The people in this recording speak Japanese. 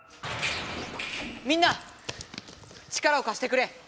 みんな力をかしてくれ！